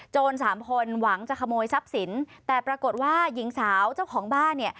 สามคนหวังจะขโมยทรัพย์สินแต่ปรากฏว่าหญิงสาวเจ้าของบ้านเนี่ย